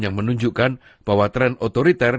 yang menunjukkan bahwa tren otoriter